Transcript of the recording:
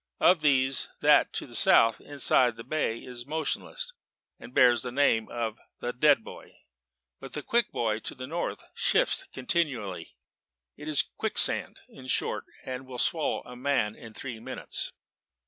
Of these, that to the south, and inside the bay, is motionless, and bears the name of the 'Dead Boy;' but the 'Quick Boy,' to the north, shifts continually. It is a quicksand, in short; and will swallow a man in three minutes.